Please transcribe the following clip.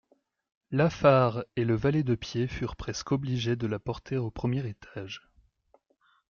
Lafare et le valet de pied furent presque obligés de la porter au premier étage.